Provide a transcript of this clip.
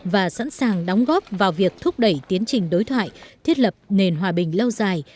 và sẵn sàng đóng góp vào việc thúc đẩy tiến trình đối thoại thiết lập nền hòa bình lâu dài